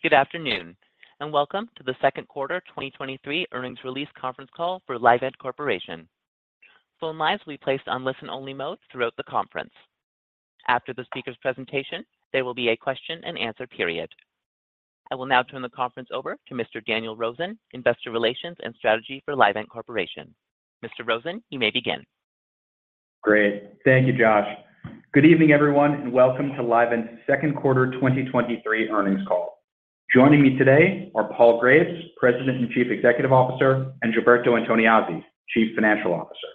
Good afternoon, and welcome to the second quarter 2023 earnings release conference call for Livent Corporation. Phone lines will be placed on listen-only mode throughout the conference. After the speaker's presentation, there will be a question-and-answer period. I will now turn the conference over to Mr. Daniel Rosen, Investor Relations and Strategy for Livent Corporation. Mr. Rosen, you may begin. Great. Thank you, Josh. Good evening, everyone, and welcome to Livent's second quarter 2023 earnings call. Joining me today are Paul Graves, President and Chief Executive Officer, and Gilberto Antoniazzi, Chief Financial Officer.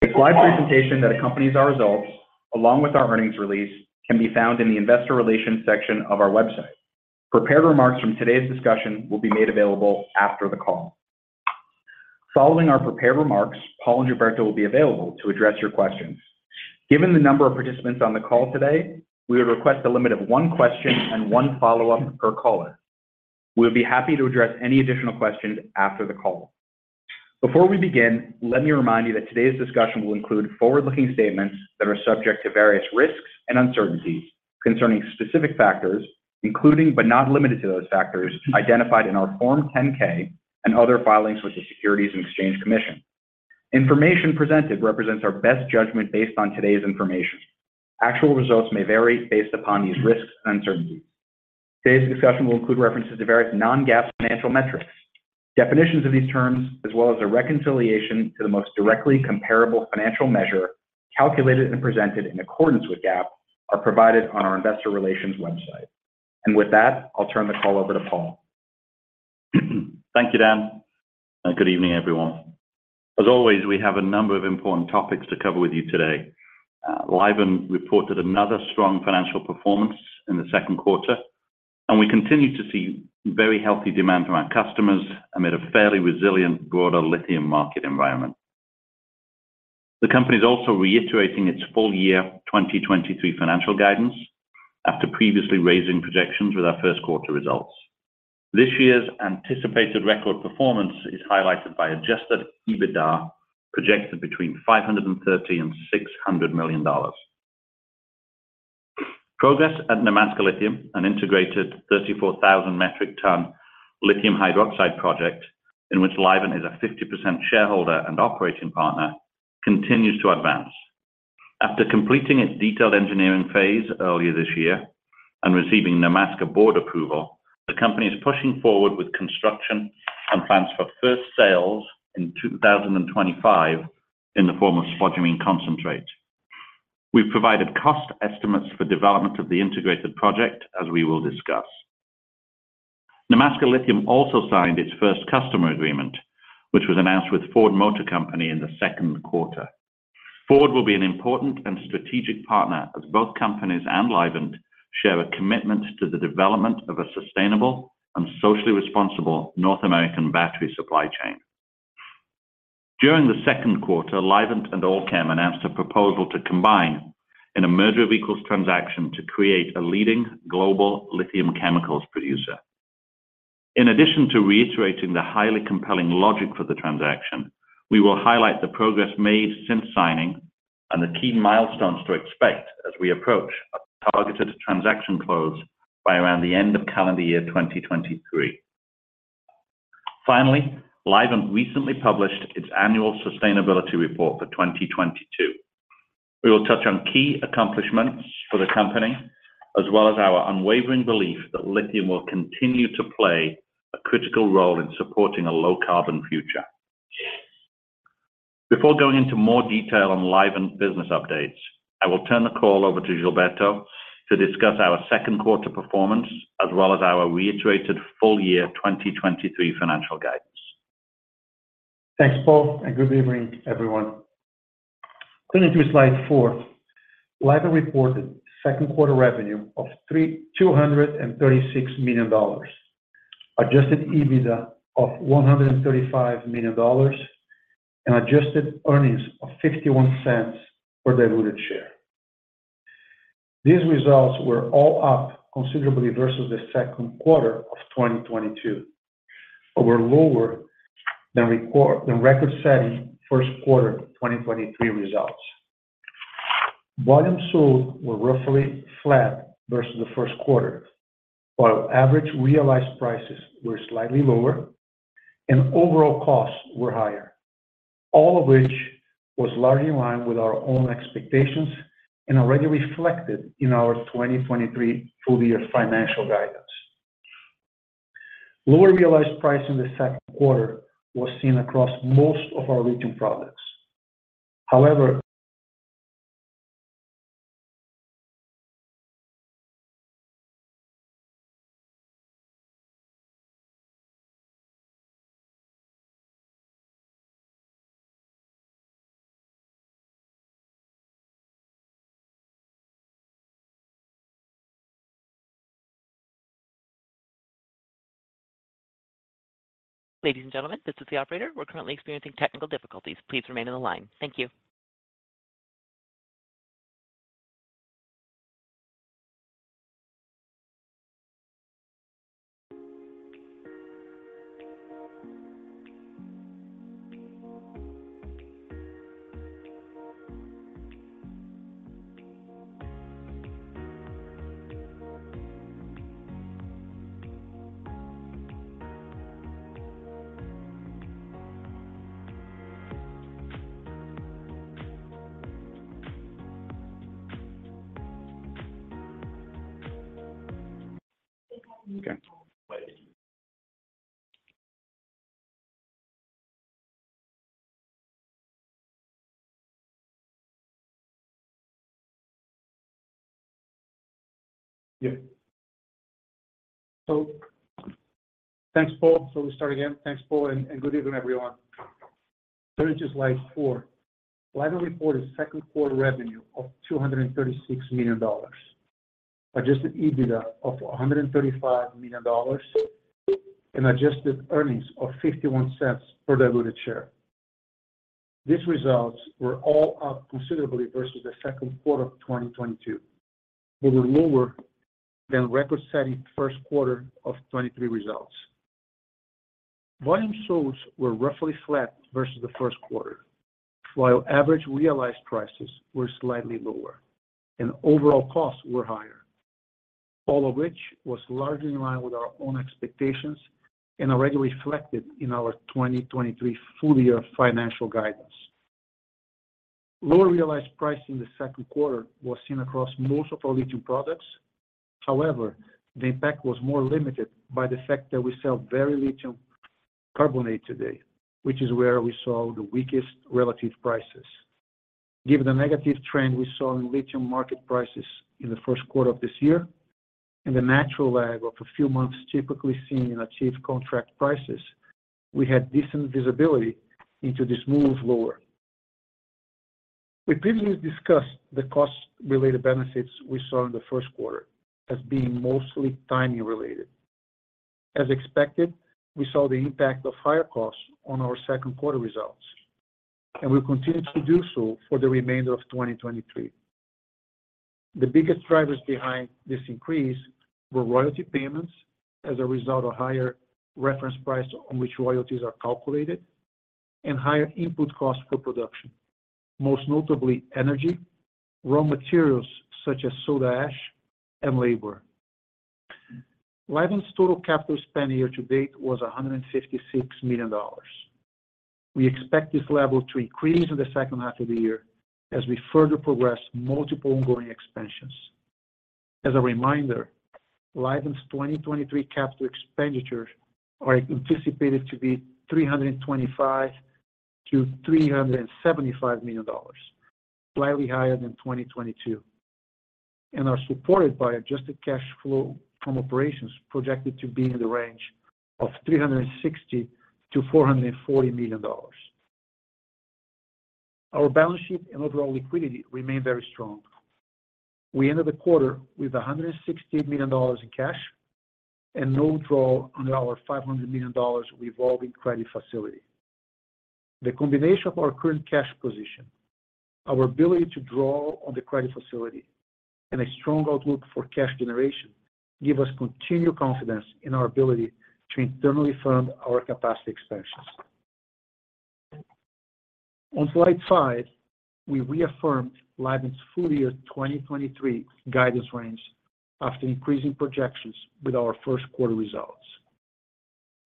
The slide presentation that accompanies our results, along with our earnings release, can be found in the investor relations section of our website. Prepared remarks from today's discussion will be made available after the call. Following our prepared remarks, Paul and Gilberto will be available to address your questions. Given the number of participants on the call today, we would request a limit of one question and one follow-up per caller. We'll be happy to address any additional questions after the call. Before we begin, let me remind you that today's discussion will include forward-looking statements that are subject to various risks and uncertainties concerning specific factors, including, but not limited to, those factors identified in our Form 10-K and other filings with the Securities and Exchange Commission. Information presented represents our best judgment based on today's information. Actual results may vary based upon these risks and uncertainties. Today's discussion will include references to various non-GAAP financial metrics. Definitions of these terms, as well as a reconciliation to the most directly comparable financial measure, calculated and presented in accordance with GAAP, are provided on our investor relations website. With that, I'll turn the call over to Paul. Thank you, Dan, and good evening, everyone. As always, we have a number of important topics to cover with you today. Livent reported another strong financial performance in the second quarter, and we continue to see very healthy demand from our customers amid a fairly resilient broader lithium market environment. The company is also reiterating its full year 2023 financial guidance after previously raising projections with our first quarter results. This year's anticipated record performance is highlighted by adjusted EBITDA, projected between $530 million and $600 million. Progress at Nemaska Lithium, an integrated 34,000 metric ton lithium hydroxide project, in which Livent is a 50% shareholder and operating partner, continues to advance. After completing its detailed engineering phase earlier this year and receiving Nemaska board approval, the company is pushing forward with construction and plans for first sales in 2025 in the form of spodumene concentrate. We've provided cost estimates for development of the integrated project, as we will discuss. Nemaska Lithium also signed its first customer agreement, which was announced with Ford Motor Company in the second quarter. Ford will be an important and strategic partner as both companies and Livent share a commitment to the development of a sustainable and socially responsible North American battery supply chain. During the second quarter, Livent and Allkem announced a proposal to combine in a merger of equals transaction to create a leading global lithium chemicals producer. In addition to reiterating the highly compelling logic for the transaction, we will highlight the progress made since signing and the key milestones to expect as we approach a targeted transaction close by around the end of calendar year 2023. Finally, Livent recently published its annual sustainability report for 2022. We will touch on key accomplishments for the company, as well as our unwavering belief that lithium will continue to play a critical role in supporting a low-carbon future. Before going into more detail on Livent business updates, I will turn the call over to Gilberto to discuss our second quarter performance, as well as our reiterated full year 2023 financial guidance. Thanks, Paul. Good evening, everyone. Turning to slide four, Livent reported second quarter revenue of $236 million, adjusted EBITDA of $135 million, and adjusted earnings of $0.51 per diluted share. These results were all up considerably versus the second quarter of 2022, were lower than record-setting first quarter of 2023 results. Volumes sold However, the impact was more limited by the fact that we sell very lithium carbonate today, which is where we saw the weakest relative prices. Given the negative trend we saw in lithium market prices in the first quarter of this year and the natural lag of a few months typically seen in achieved contract prices, we had decent visibility into this move lower. We previously discussed the cost-related benefits we saw in the first quarter as being mostly timing related. As expected, we saw the impact of higher costs on our second quarter results, and will continue to do so for the remainder of 2023. The biggest drivers behind this increase were royalty payments as a result of higher reference price on which royalties are calculated, and higher input costs for production, most notably energy, raw materials such as soda ash, and labor. Livent's total capital spend year to date was $156 million. We expect this level to increase in the second half of the year as we further progress multiple ongoing expansions. As a reminder, Livent's 2023 capital expenditures are anticipated to be $325 million-$375 million, slightly higher than 2022, and are supported by adjusted cash flow from operations projected to be in the range of $360 million-$440 million. Our balance sheet and overall liquidity remain very strong. We ended the quarter with $160 million in cash and no draw on our $500 million revolving credit facility. The combination of our current cash position, our ability to draw on the revolving credit facility, and a strong outlook for cash generation, give us continued confidence in our ability to internally fund our capacity expansions. On slide five, we reaffirmed Livent's full-year 2023 guidance range after increasing projections with our first quarter results.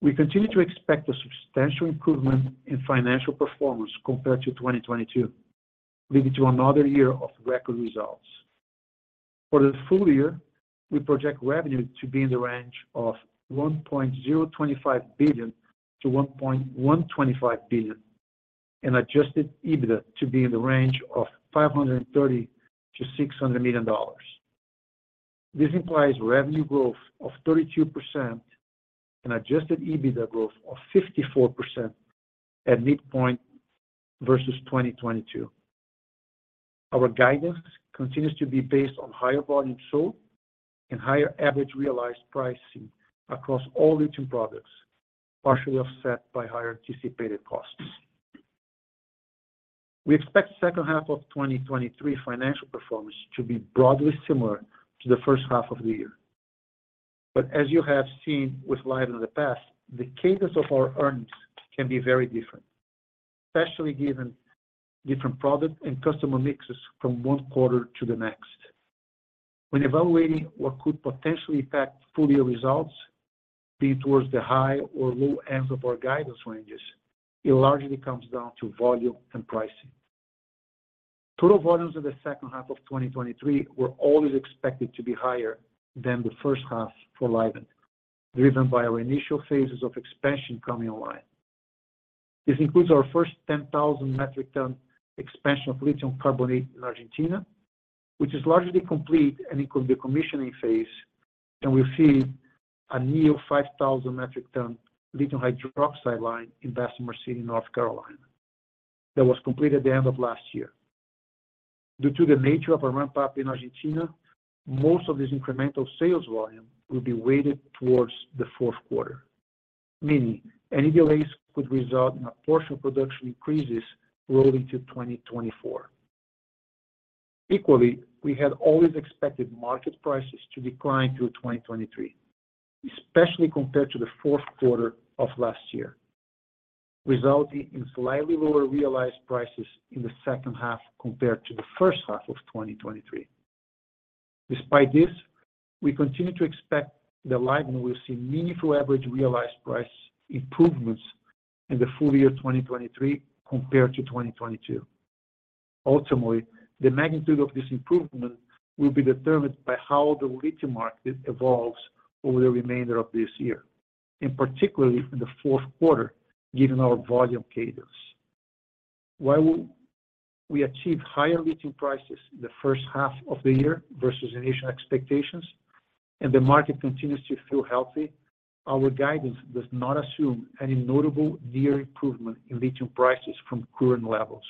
We continue to expect a substantial improvement in financial performance compared to 2022, leading to another year of record results. For the full year, we project revenue to be in the range of $1.025 billion-$1.125 billion, and adjusted EBITDA to be in the range of $530 million-$600 million. This implies revenue growth of 32% and adjusted EBITDA growth of 54% at midpoint versus 2022. Our guidance continues to be based on higher volume sold and higher average realized pricing across all lithium products, partially offset by higher anticipated costs. We expect second half of 2023 financial performance to be broadly similar to the first half of the year. As you have seen with Livent in the past, the cadence of our earnings can be very different, especially given different product and customer mixes from one quarter to the next. When evaluating what could potentially impact full year results, being towards the high or low ends of our guidance ranges, it largely comes down to volume and pricing. Total volumes of the second half of 2023 were always expected to be higher than the first half for Livent, driven by our initial phases of expansion coming online. This includes our first 10,000 metric ton expansion of lithium carbonate in Argentina, which is largely complete and includes the commissioning phase, and we see a new 5,000 metric ton lithium hydroxide line in Bessemer City, North Carolina, that was completed at the end of last year. Due to the nature of our ramp-up in Argentina, most of this incremental sales volume will be weighted towards the fourth quarter, meaning any delays could result in a portion of production increases rolling to 2024. Equally, we had always expected market prices to decline through 2023, especially compared to the fourth quarter of last year. resulting in slightly lower realized prices in the second half compared to the first half of 2023. Despite this, we continue to expect that Livent will see meaningful average realized price improvements in the full year 2023 compared to 2022. Ultimately, the magnitude of this improvement will be determined by how the lithium market evolves over the remainder of this year, and particularly in the fourth quarter, given our volume cadence. While we achieved higher lithium prices in the first half of the year versus initial expectations, and the market continues to feel healthy, our guidance does not assume any notable year improvement in lithium prices from current levels.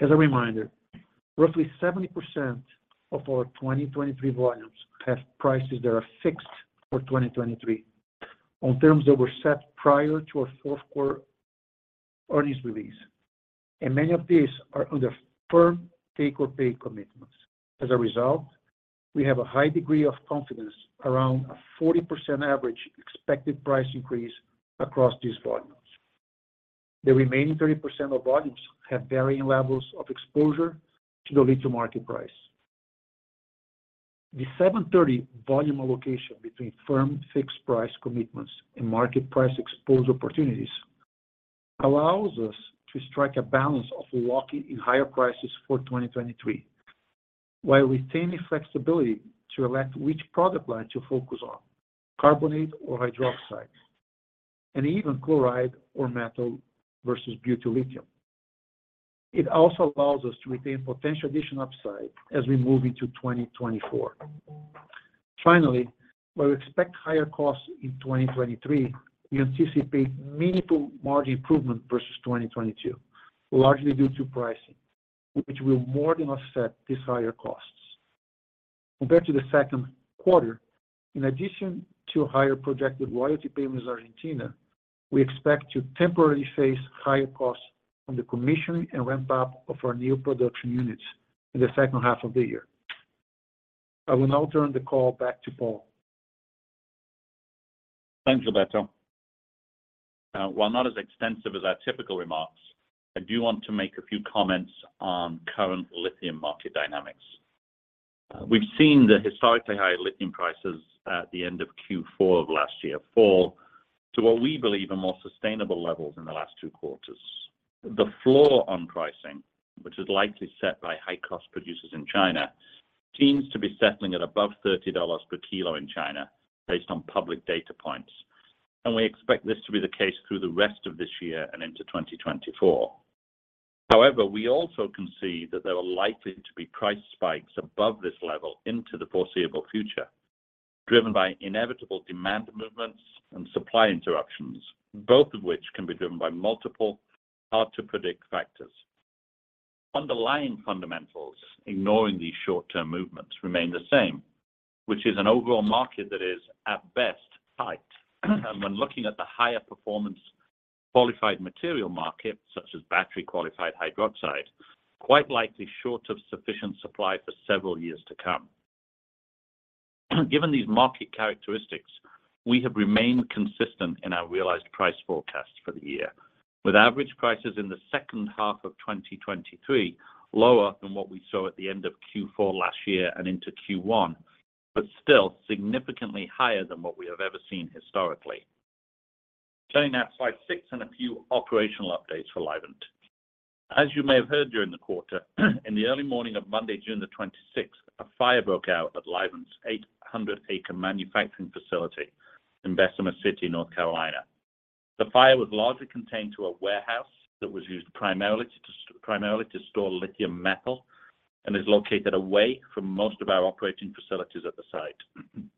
As a reminder, roughly 70% of our 2023 volumes have prices that are fixed for 2023, on terms that were set prior to our fourth quarter earnings release, and many of these are under firm take-or-pay commitments. As a result, we have a high degree of confidence around a 40% average expected price increase across these volumes. The remaining 30% of volumes have varying levels of exposure to the lithium market price. The 70/30 volume allocation between firm fixed price commitments and market price exposed opportunities allows us to strike a balance of locking in higher prices for 2023, while retaining flexibility to elect which product line to focus on, carbonate or hydroxide, and even chloride or metal versus butyllithium. It also allows us to retain potential additional upside as we move into 2024. Finally, while we expect higher costs in 2023, we anticipate meaningful margin improvement versus 2022, largely due to pricing, which will more than offset these higher costs. Compared to the second quarter, in addition to higher projected royalty payments in Argentina, we expect to temporarily face higher costs on the commissioning and ramp-up of our new production units in the second half of the year. I will now turn the call back to Paul. Thanks, Gilberto. While not as extensive as our typical remarks, I do want to make a few comments on current lithium market dynamics. We've seen the historically high lithium prices at the end of Q4 of last year fall to what we believe are more sustainable levels in the last two quarters. The floor on pricing, which is likely set by high-cost producers in China, seems to be settling at above $30 per kilo in China, based on public data points. We expect this to be the case through the rest of this year and into 2024. However, we also can see that there are likely to be price spikes above this level into the foreseeable future, driven by inevitable demand movements and supply interruptions, both of which can be driven by multiple, hard-to-predict factors. Underlying fundamentals, ignoring these short-term movements, remain the same, which is an overall market that is, at best, tight. When looking at the higher performance qualified material market, such as battery-qualified hydroxide, quite likely short of sufficient supply for several years to come. Given these market characteristics, we have remained consistent in our realized price forecast for the year, with average prices in the second half of 2023 lower than what we saw at the end of Q4 last year and into Q1, but still significantly higher than what we have ever seen historically. Turning now to slide six and a few operational updates for Livent. As you may have heard during the quarter, in the early morning of Monday, June the 26th, a fire broke out at Livent's 800 acre manufacturing facility in Bessemer City, North Carolina. The fire was largely contained to a warehouse that was used primarily to, primarily to store lithium metal and is located away from most of our operating facilities at the site.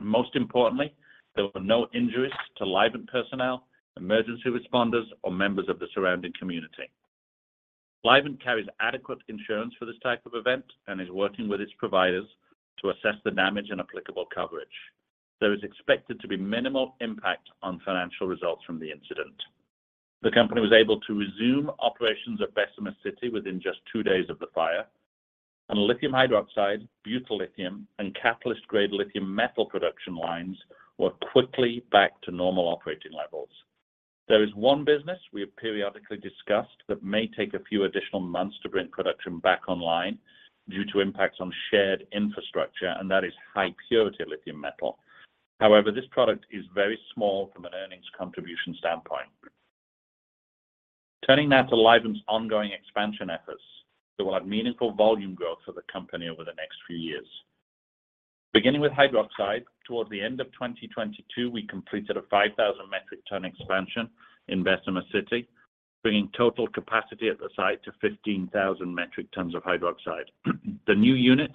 Most importantly, there were no injuries to Livent personnel, emergency responders, or members of the surrounding community. Livent carries adequate insurance for this type of event and is working with its providers to assess the damage and applicable coverage. There is expected to be minimal impact on financial results from the incident. The company was able to resume operations at Bessemer City within just two days of the fire, and lithium hydroxide, butyllithium, and catalyst-grade lithium metal production lines were quickly back to normal operating levels. There is one business we have periodically discussed that may take a few additional months to bring production back online due to impacts on shared infrastructure, and that is high-purity lithium metal. However, this product is very small from an earnings contribution standpoint. Turning now to Livent's ongoing expansion efforts that will have meaningful volume growth for the company over the next few years. Beginning with hydroxide, towards the end of 2022, we completed a 5,000 metric ton expansion in Bessemer City, bringing total capacity at the site to 15,000 metric tons of hydroxide. The new unit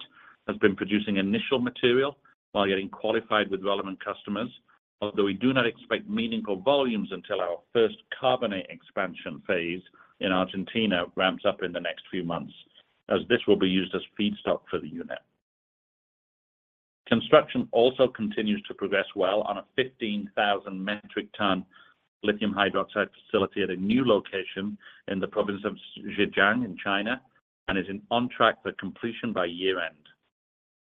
has been producing initial material while getting qualified with relevant customers, although we do not expect meaningful volumes until our first carbonate expansion phase in Argentina ramps up in the next few months, as this will be used as feedstock for the unit. Construction also continues to progress well on a 15,000 metric ton lithium hydroxide facility at a new location in the province of Zhejiang in China, and is in on track for completion by year-end.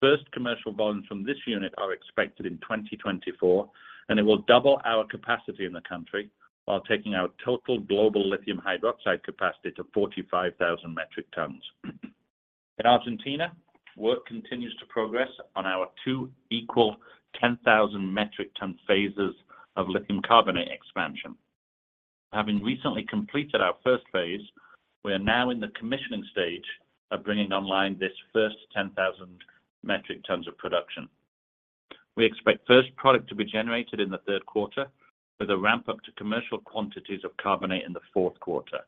First commercial volumes from this unit are expected in 2024, it will double our capacity in the country, while taking our total global lithium hydroxide capacity to 45,000 metric tons. In Argentina, work continues to progress on our two equal 10,000 metric ton phases of lithium carbonate expansion. Having recently completed our first phase, we are now in the commissioning stage of bringing online this first 10,000 metric tons of production. We expect first product to be generated in the third quarter, with a ramp-up to commercial quantities of carbonate in the fourth quarter.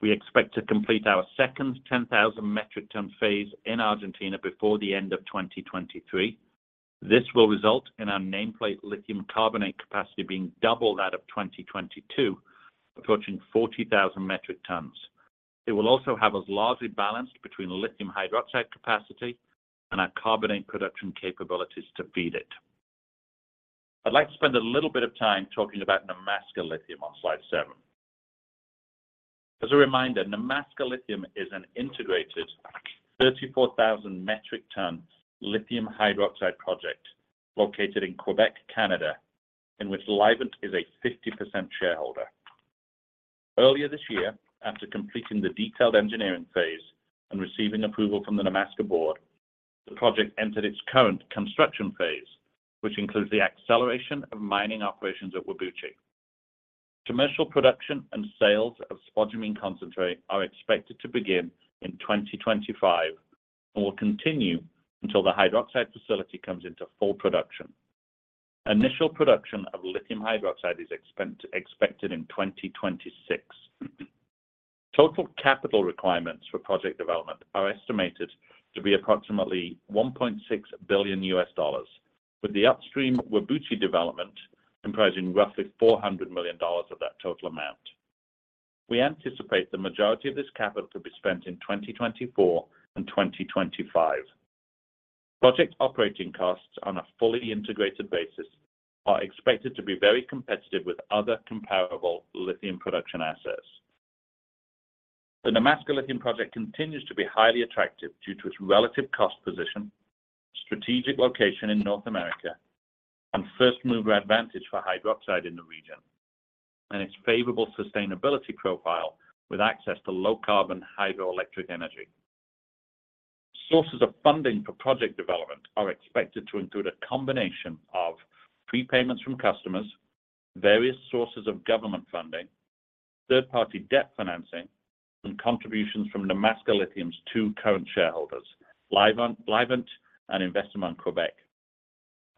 We expect to complete our second 10,000 metric ton phase in Argentina before the end of 2023. This will result in our nameplate lithium carbonate capacity being double that of 2022, approaching 40,000 metric tons. It will also have us largely balanced between lithium hydroxide capacity and our carbonate production capabilities to feed it. I'd like to spend a little bit of time talking about Nemaska Lithium on slide seven. As a reminder, Nemaska Lithium is an integrated 34,000 metric ton lithium hydroxide project located in Quebec, Canada, in which Livent is a 50% shareholder. Earlier this year, after completing the detailed engineering phase and receiving approval from the Nemaska board, the project entered its current construction phase, which includes the acceleration of mining operations at Whabouchi. Commercial production and sales of spodumene concentrate are expected to begin in 2025 and will continue until the hydroxide facility comes into full production. Initial production of lithium hydroxide is expected in 2026. Total capital requirements for project development are estimated to be approximately $1.6 billion, with the upstream Whabouchi development comprising roughly $400 million of that total amount. We anticipate the majority of this capital to be spent in 2024 and 2025. Project operating costs on a fully integrated basis are expected to be very competitive with other comparable lithium production assets. The Nemaska Lithium project continues to be highly attractive due to its relative cost position, strategic location in North America, and first-mover advantage for hydroxide in the region, and its favorable sustainability profile with access to low-carbon hydroelectric energy. Sources of funding for project development are expected to include a combination of prepayments from customers, various sources of government funding, third-party debt financing, and contributions from Nemaska Lithium's two current shareholders, Livent and Investissement Québec.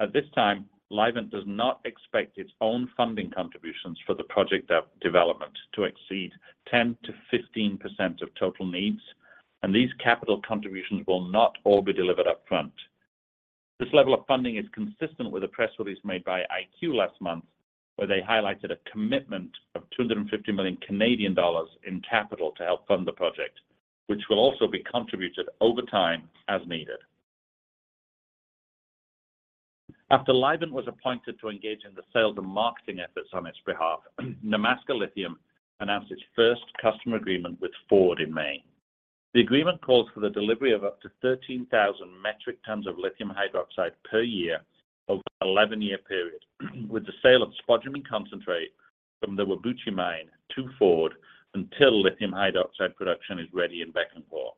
At this time, Livent does not expect its own funding contributions for the project development to exceed 10%-15% of total needs, and these capital contributions will not all be delivered upfront. This level of funding is consistent with a press release made by IQ last month, where they highlighted a commitment of 250 million Canadian dollars in capital to help fund the project, which will also be contributed over time as needed. After Livent was appointed to engage in the sales and marketing efforts on its behalf, Nemaska Lithium announced its first customer agreement with Ford in May. The agreement calls for the delivery of up to 13,000 metric tons of lithium hydroxide per year over an 11-year period, with the sale of spodumene concentrate from the Whabouchi mine to Ford until lithium hydroxide production is ready in Bécancour.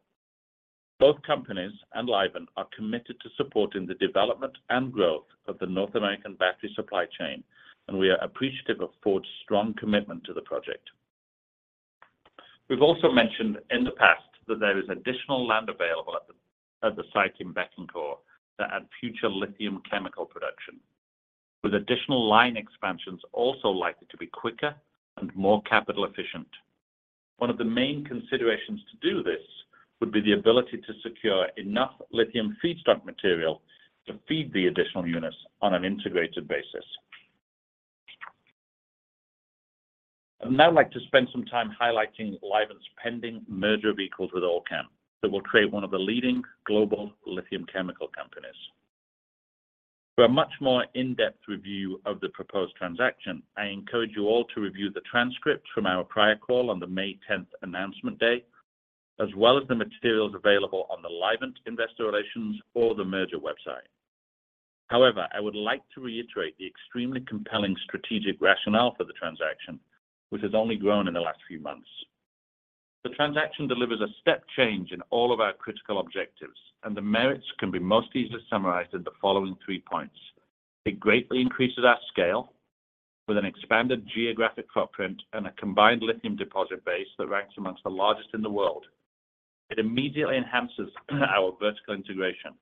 Both companies and Livent are committed to supporting the development and growth of the North American battery supply chain. We are appreciative of Ford's strong commitment to the project. We've also mentioned in the past that there is additional land available at the site in Bécancour that add future lithium chemical production, with additional line expansions also likely to be quicker and more capital efficient. One of the main considerations to do this would be the ability to secure enough lithium feedstock material to feed the additional units on an integrated basis. I'd now like to spend some time highlighting Livent's pending merger of equals with Allkem, that will create one of the leading global lithium chemical companies. For a much more in-depth review of the proposed transaction, I encourage you all to review the transcript from our prior call on the May 10th announcement day, as well as the materials available on the Livent investor relations or the merger website. However, I would like to reiterate the extremely compelling strategic rationale for the transaction, which has only grown in the last few months. The transaction delivers a step change in all of our critical objectives, and the merits can be most easily summarized in the following three points: It greatly increases our scale with an expanded geographic footprint and a combined lithium deposit base that ranks amongst the largest in the world. It immediately enhances our vertical integration,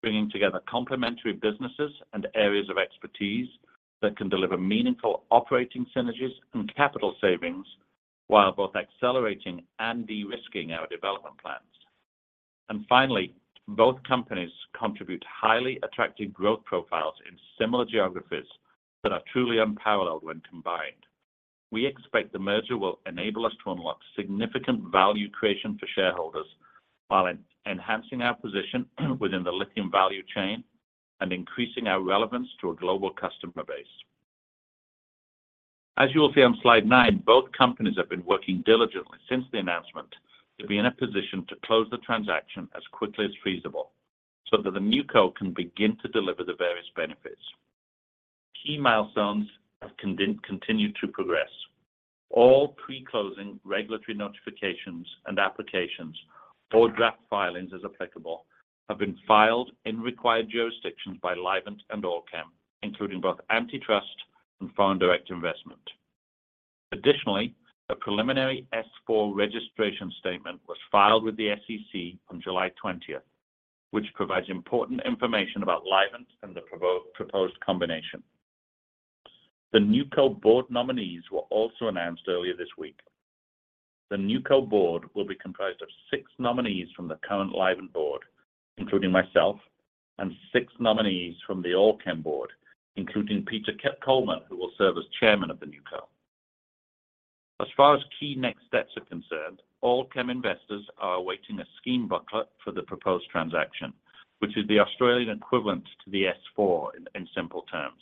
bringing together complementary businesses and areas of expertise that can deliver meaningful operating synergies and capital savings, while both accelerating and de-risking our development plans. Finally, both companies contribute highly attractive growth profiles in similar geographies that are truly unparalleled when combined. We expect the merger will enable us to unlock significant value creation for shareholders while enhancing our position within the lithium value chain and increasing our relevance to a global customer base. As you will see on slide nine, both companies have been working diligently since the announcement to be in a position to close the transaction as quickly as feasible, so that the NewCo can begin to deliver the various benefits. Key milestones have continued to progress. All pre-closing regulatory notifications and applications or draft filings, as applicable, have been filed in required jurisdictions by Livent and Allkem, including both antitrust and foreign direct investment. Additionally, a preliminary S-4 registration statement was filed with the SEC on July 20th, which provides important information about Livent and the proposed combination. The NewCo board nominees were also announced earlier this week. The NewCo board will be comprised of six nominees from the current Livent board, including myself, and six nominees from the Allkem board, including Peter R. Coleman, who will serve as chairman of the NewCo. As far as key next steps are concerned, Allkem investors are awaiting a scheme booklet for the proposed transaction, which is the Australian equivalent to the S-4, in simple terms.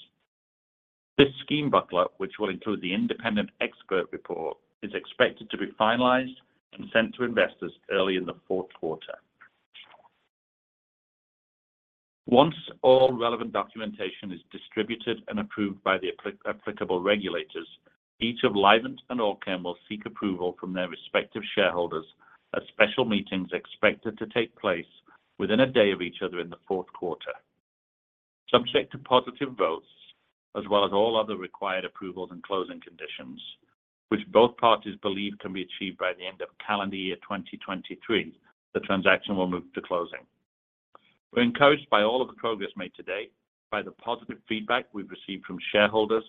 This scheme booklet, which will include the Independent Expert's Report, is expected to be finalized and sent to investors early in the fourth quarter. Once all relevant documentation is distributed and approved by the applicable regulators, each of Livent and Allkem will seek approval from their respective shareholders at special meetings expected to take place within a day of each other in the fourth quarter. Subject to positive votes, as well as all other required approvals and closing conditions, which both parties believe can be achieved by the end of calendar year 2023, the transaction will move to closing. We're encouraged by all of the progress made today, by the positive feedback we've received from shareholders,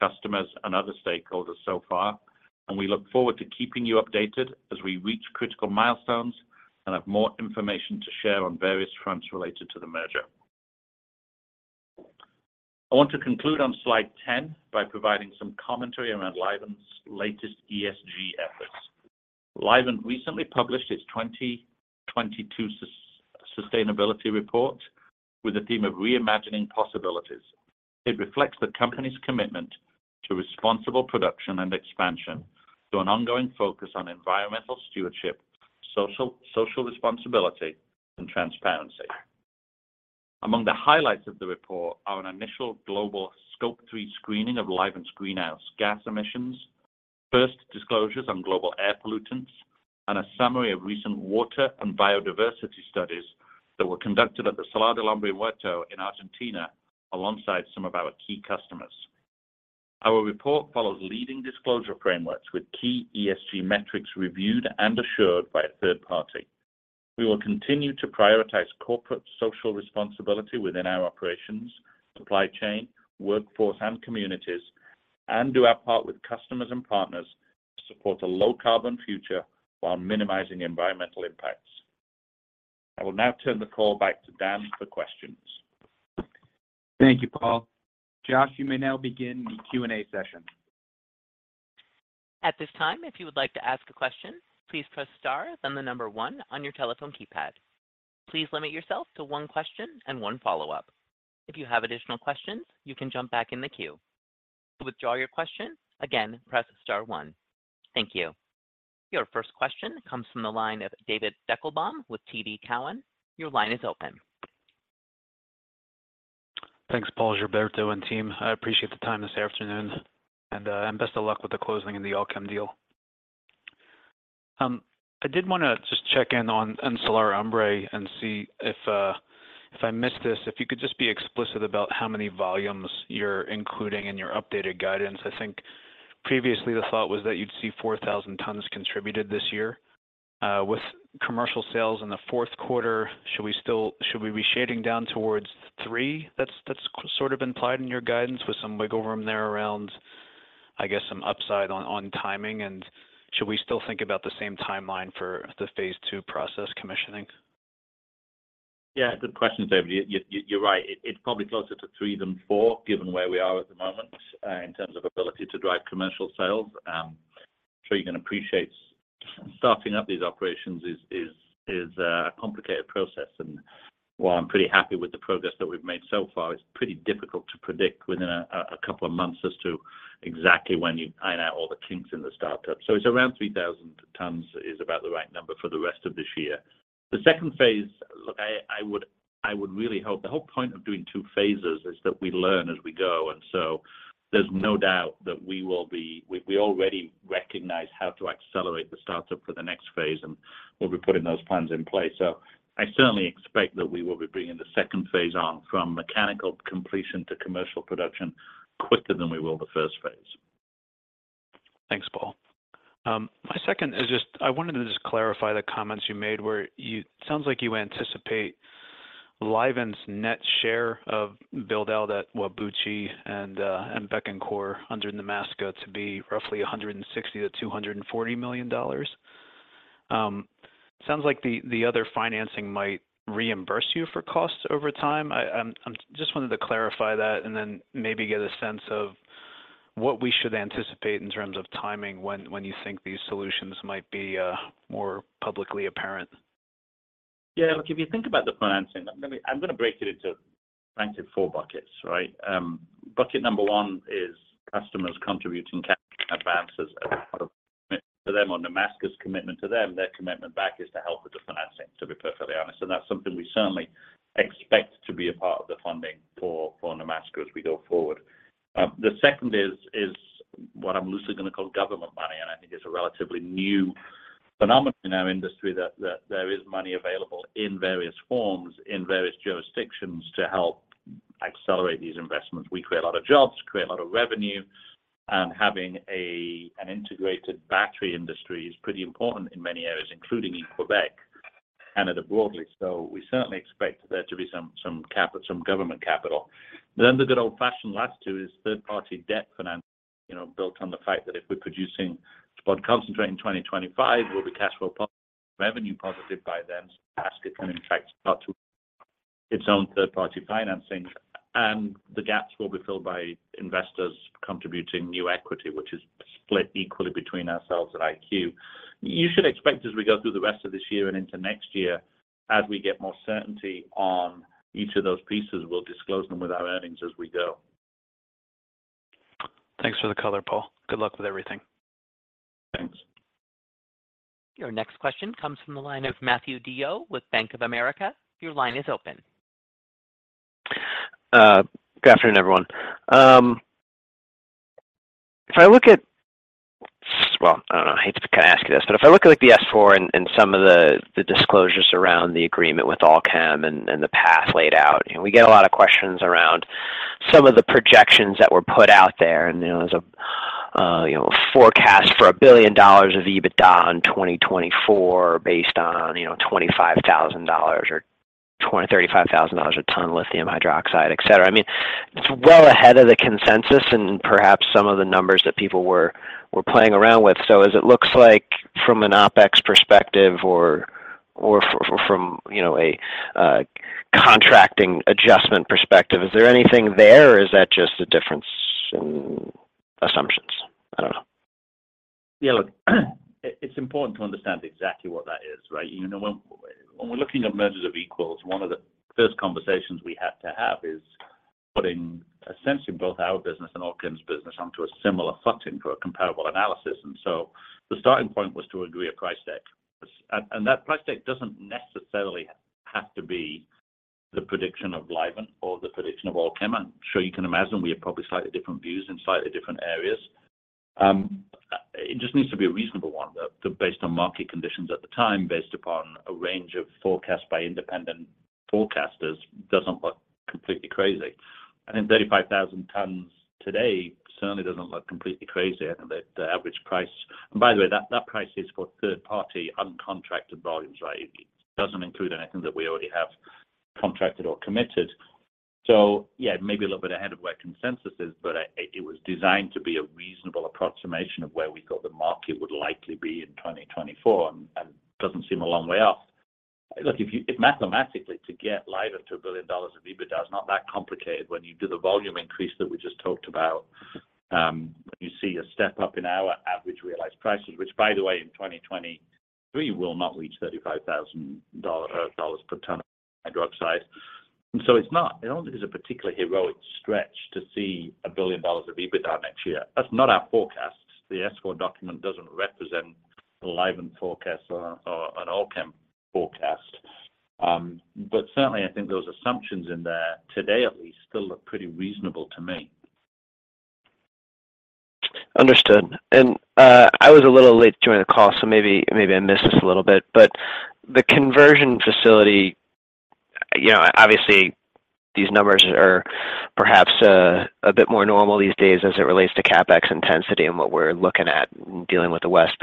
customers, and other stakeholders so far, and we look forward to keeping you updated as we reach critical milestones and have more information to share on various fronts related to the merger. I want to conclude on slide 10 by providing some commentary around Livent's latest ESG efforts. Livent recently published its 2022 sustainability report with a theme of reimagining possibilities. It reflects the company's commitment to responsible production and expansion, to an ongoing focus on environmental stewardship, social responsibility, and transparency. Among the highlights of the report are an initial global Scope 3 screening of Livent's greenhouse gas emissions, first disclosures on global air pollutants, and a summary of recent water and biodiversity studies that were conducted at the Salar del Hombre Muerto in Argentina, alongside some of our key customers. Our report follows leading disclosure frameworks with key ESG metrics reviewed and assured by a third party. We will continue to prioritize corporate social responsibility within our operations, supply chain, workforce, and communities, and do our part with customers and partners to support a low carbon future while minimizing environmental impacts. I will now turn the call back to Dan for questions. Thank you, Paul. Josh, you may now begin the Q&A session. At this time, if you would like to ask a question, please press star, then the number one on your telephone keypad. Please limit yourself to one question and one follow-up. If you have additional questions, you can jump back in the queue. To withdraw your question, again, press star one. Thank you. Your first question comes from the line of David Deckelbaum with TD Cowen. Your line is open. Thanks, Paul, Gilberto, and team. I appreciate the time this afternoon, and best of luck with the closing of the Allkem deal. I did wanna just check in on Salar del Hombre Muerto and see if, if I missed this, if you could just be explicit about how many volumes you're including in your updated guidance. I think previously the thought was that you'd see 4,000 tons contributed this year. With commercial sales in the fourth quarter, should we be shading down towards three? That's sort of implied in your guidance, with some wiggle room there around, I guess, some upside on timing, and should we still think about the same timeline for the phase two process commissioning? Yeah, good question, David. You're right. It's probably closer to three than four, given where we are at the moment, in terms of ability to drive commercial sales. I'm sure you can appreciate starting up these operations is a complicated process, and while I'm pretty happy with the progress that we've made so far, it's pretty difficult to predict within a couple of months as to exactly when you iron out all the kinks in the startup. It's around 3,000 tons is about the right number for the rest of this year. The second phase, look, I, I would, I would really hope the whole point of doing two phases is that we learn as we go. There's no doubt that we, we already recognize how to accelerate the startup for the next phase, and we'll be putting those plans in place. I certainly expect that we will be bringing the second phase on from mechanical completion to commercial production quicker than we will the first phase. Thanks, Paul. My second is just I wanted to just clarify the comments you made where sounds like you anticipate Livent's net share of build out at Whabouchi and Bécancour under Nemaska to be roughly $160 million-$240 million. Sounds like the other financing might reimburse you for costs over time. I'm just wanted to clarify that and then maybe get a sense of what we should anticipate in terms of timing when, when you think these solutions might be, more publicly apparent? Yeah, look, if you think about the financing, I'm gonna, I'm gonna break it into frankly, four buckets, right? Bucket number one is customers contributing cash advances as part of to them on Nemaska's commitment to them. Their commitment back is to help with the financing, to be perfectly honest, and that's something we certainly expect to be a part of the funding for, for Nemaska as we go forward. The second is, is what I'm loosely gonna call government money, and I think it's a relatively new phenomenon in our industry that, that there is money available in various forms, in various jurisdictions to help accelerate these investments. We create a lot of jobs, create a lot of revenue, and having a, an integrated battery industry is pretty important in many areas, including in Quebec and Canada broadly. We certainly expect there to be some, some government capital. The good old-fashioned last two is third-party debt financing, you know, built on the fact that if we're producing spodumene concentrate in 2025, we'll be cash flow positive, revenue positive by then. Ask it can in fact start to its own third-party financing, and the gaps will be filled by investors contributing new equity, which is split equally between ourselves and IQ. You should expect as we go through the rest of this year and into next year, as we get more certainty on each of those pieces, we'll disclose them with our earnings as we go. Thanks for the color, Paul. Good luck with everything. Thanks. Your next question comes from the line of Matthew DeYoe with Bank of America. Your line is open. Good afternoon, everyone. Well, I don't know. I hate to kinda ask you this, but if I look at the S-4 and, and some of the, the disclosures around the agreement with Allkem and, and the path laid out, you know, we get a lot of questions around some of the projections that were put out there. You know, there's a, you know, a forecast for $1 billion of EBITDA in 2024, based on, you know, $25,000 or $35,000 a ton lithium hydroxide, et cetera. I mean, it's well ahead of the consensus and perhaps some of the numbers that people were, were playing around with. As it looks like from an OpEx perspective or from, you know, a contracting adjustment perspective, is there anything there, or is that just a difference in assumptions? I don't know. Yeah, look, it, it's important to understand exactly what that is, right? You know, when, when we're looking at mergers of equals, one of the first conversations we have to have is putting, essentially, both our business and Allkem's business onto a similar footing for a comparable analysis. So the starting point was to agree a price tag, and, and that price tag doesn't necessarily have to be the prediction of Livent or the prediction of Allkem. I'm sure you can imagine we have probably slightly different views in slightly different areas. It just needs to be a reasonable one that based on market conditions at the time, based upon a range of forecasts by independent forecasters, doesn't look completely crazy. I think 35,000 tons today certainly doesn't look completely crazy. I think that the average price... By the way, that, that price is for third-party, uncontracted volumes, right? It doesn't include anything that we already have contracted or committed. Yeah, it may be a little bit ahead of where consensus is, but it was designed to be a reasonable approximation of where we thought the market would likely be in 2024, and doesn't seem a long way off. Look, if you-- if mathematically, to get Livent to $1 billion of EBITDA is not that complicated when you do the volume increase that we just talked about, you see a step up in our average realized prices, which, by the way, in 2023, will not reach $35,000 per ton of hydroxide. It's not-- it only is a particularly heroic stretch to see $1 billion of EBITDA next year. That's not our forecast. The S-4 document doesn't represent a Livent forecast or an Allkem forecast. Certainly, I think those assumptions in there, today at least, still look pretty reasonable to me. Understood. I was a little late to join the call, so maybe, maybe I missed this a little bit, but the conversion facility, you know, obviously, these numbers are perhaps a bit more normal these days as it relates to CapEx intensity and what we're looking at dealing with the West.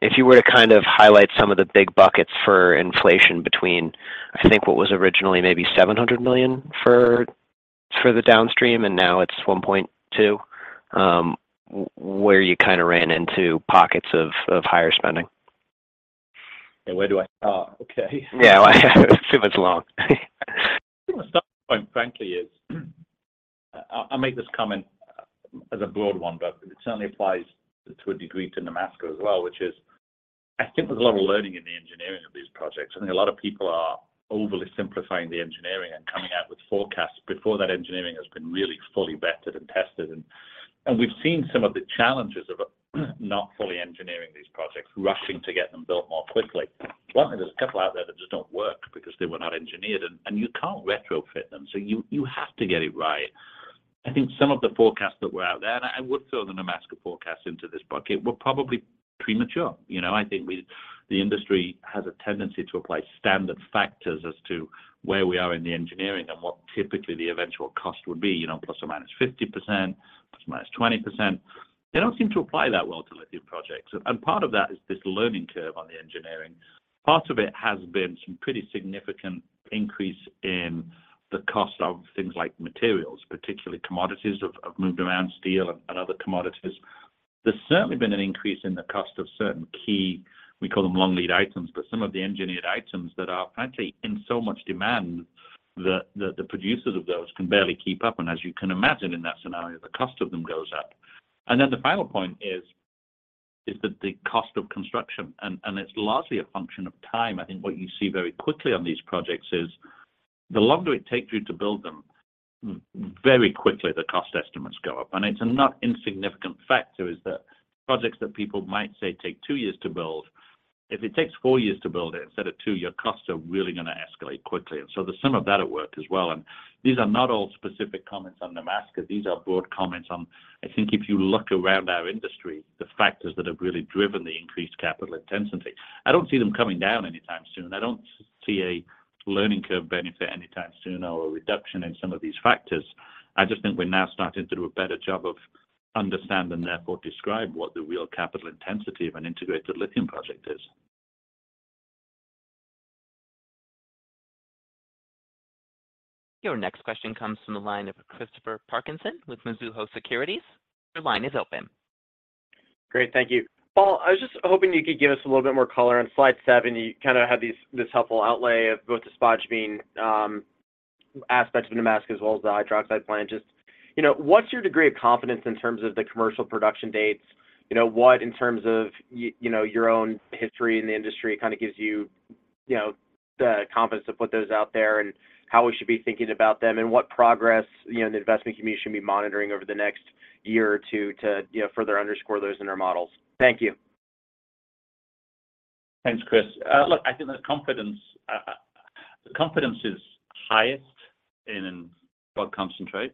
If you were to kind of highlight some of the big buckets for inflation between, I think, what was originally maybe $700 million for the downstream, and now it's $1.2 billion, where you kind of ran into pockets of higher spending? Where do I-- Oh, okay. Yeah, it's too much long. I think the starting point, frankly, is, I'll make this comment as a broad one, but it certainly applies to a degree to Nemaska as well, which is, I think there's a lot of learning in the engineering of these projects. I think a lot of people are overly simplifying the engineering and coming out with forecasts before that engineering has been really fully vetted and tested. And we've seen some of the challenges of, not fully engineering these projects, rushing to get them built more quickly. Frankly, there's a couple out there that just don't work because they were not engineered, and you can't retrofit them, so you, you have to get it right. I think some of the forecasts that were out there, and I would throw the Nemaska forecast into this bucket, were probably premature. You know, I think the industry has a tendency to apply standard factors as to where we are in the engineering and what typically the eventual cost would be, you know, ±50%, ±20%. They don't seem to apply that well to lithium projects. Part of that is this learning curve on the engineering. Part of it has been some pretty significant increase in the cost of things like materials, particularly commodities have, have moved around, steel and other commodities. There's certainly been an increase in the cost of certain key, we call them long-lead items, but some of the engineered items that are frankly in so much demand that the, the producers of those can barely keep up. As you can imagine in that scenario, the cost of them goes up. Then the final point is. Is that the cost of construction, and it's largely a function of time. I think what you see very quickly on these projects is the longer it takes you to build them, very quickly the cost estimates go up. It's a not insignificant factor, is that projects that people might say take two years to build, if it takes four years to build it instead of two, your costs are really gonna escalate quickly. The sum of that at work as well, and these are not all specific comments on Nemaska, these are broad comments on. I think if you look around our industry, the factors that have really driven the increased capital intensity, I don't see them coming down anytime soon. I don't see a learning curve benefit anytime soon or a reduction in some of these factors. I just think we're now starting to do a better job of understand and therefore describe what the real capital intensity of an integrated lithium project is. Your next question comes from the line of Christopher Parkinson with Mizuho Securities. Your line is open. Great, thank you. Paul, I was just hoping you could give us a little bit more color. On slide seven, you kind of had these, this helpful outlay of both the spodumene aspects of Nemaska as well as the hydroxide plant. Just, you know, what's your degree of confidence in terms of the commercial production dates? You know, what, in terms of you know, your own history in the industry, kind of gives you, you know, the confidence to put those out there, and how we should be thinking about them, and what progress, you know, the investment community should be monitoring over the next year or two to, you know, further underscore those in our models? Thank you. Thanks, Chris. look, I think the confidence, the confidence is highest in, in gold concentrate,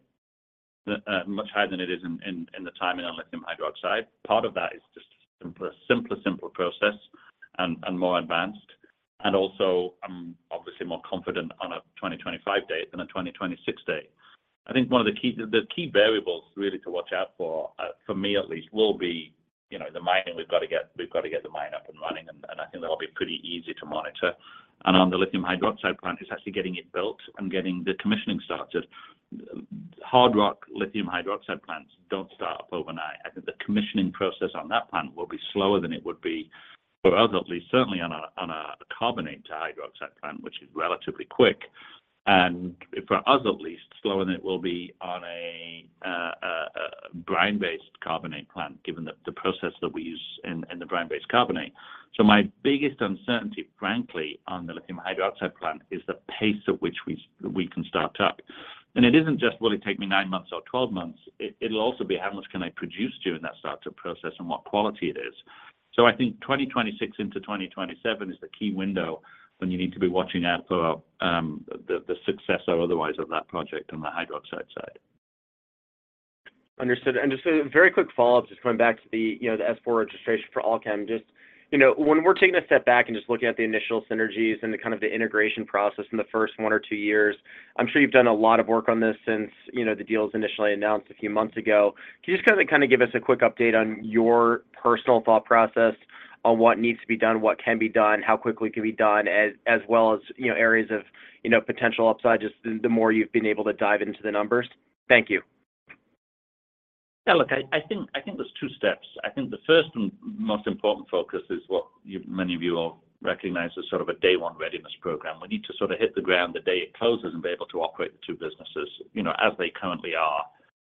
much higher than it is in, in, in the time in our lithium hydroxide. Part of that is just a simpler, simpler, simple process and, and more advanced, and also I'm obviously more confident on a 2025 date than a 2026 date. I think one of the key variables really to watch out for, for me at least, will be, you know, the mining. We've got to get the mine up and running, and, and I think that'll be pretty easy to monitor. On the lithium hydroxide plant, it's actually getting it built and getting the commissioning started. Hard rock lithium hydroxide plants don't start up overnight. I think the commissioning process on that plant will be slower than it would be for us, at least, certainly on a carbonate to hydroxide plant, which is relatively quick. For us at least, slower than it will be on a brine-based carbonate plant, given the process that we use in the brine-based carbonate. My biggest uncertainty, frankly, on the lithium hydroxide plant is the pace at which we can start up. It isn't just will it take me nine months or 12 months, it'll also be how much can I produce during that start-up process and what quality it is. I think 2026 into 2027 is the key window when you need to be watching out for the success or otherwise of that project on the hydroxide side. Understood. Just a very quick follow-up, just coming back to the, you know, the S-4 registration for Allkem. Just, you know, when we're taking a step back and just looking at the initial synergies and the kind of the integration process in the first one or two years, I'm sure you've done a lot of work on this since, you know, the deal was initially announced a few months ago. Can you just kind of give us a quick update on your personal thought process on what needs to be done, what can be done, how quickly it can be done, as well as, you know, areas of, you know, potential upside, just the more you've been able to dive into the numbers? Thank you. Yeah, look, I, I think, I think there's two steps. I think the first and most important focus is what you- many of you will recognize as sort of a day one readiness program. We need to sort of hit the ground the day it closes and be able to operate the two businesses, you know, as they currently are.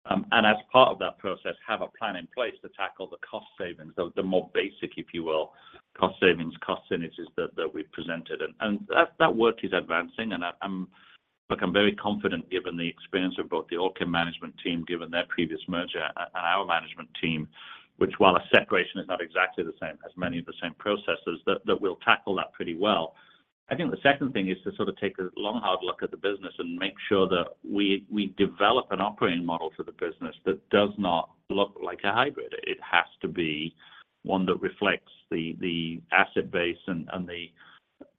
And as part of that process, have a plan in place to tackle the cost savings, the, the more basic, if you will, cost savings, cost synergies that, that we've presented. And, and that, that work is advancing, and I'm Look, I'm very confident given the experience of both the Allkem management team, given their previous merger, and our management team, which, while a separation, is not exactly the same, has many of the same processes that, that will tackle that pretty well. I think the second thing is to sort of take a long, hard look at the business and make sure that we, we develop an operating model for the business that does not look like a hybrid. It has to be one that reflects the, the asset base and, and the